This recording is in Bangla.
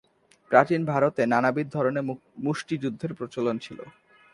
প্রাচীন ভারতে নানাবিধ ধরনের মুষ্টিযুদ্ধের প্রচলন ছিল।